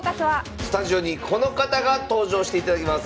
スタジオにこの方が登場していただきます。